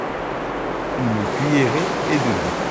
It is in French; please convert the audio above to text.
Une cuillerée et demie.